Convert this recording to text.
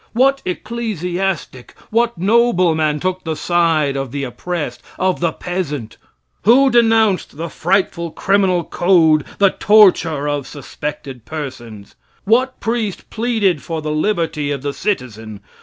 What ecclesiastic, what nobleman, took the side of the oppressed of the peasant? Who denounced the frightful criminal code the torture of suspected persons? What priest pleaded for the liberty of the citizen?